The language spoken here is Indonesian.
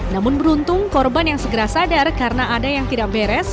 namun beruntung korban yang segera sadar karena ada yang tidak beres